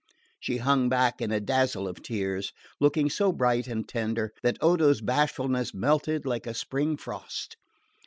She hung back in a dazzle of tears, looking so bright and tender that Odo's bashfulness melted like a spring frost.